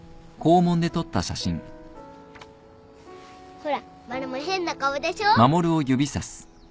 ほらマルモ変な顔でしょ。